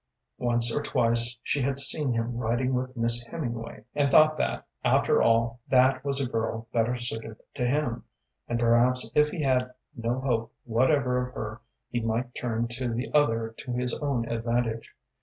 Once or twice she had seen him riding with Miss Hemingway, and thought that, after all, that was a girl better suited to him, and perhaps if he had no hope whatever of her he might turn to the other to his own advantage.